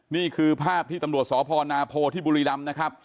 นี่คือภาพที่ตำรวจสพนาโพที่บุรีรำนะครับ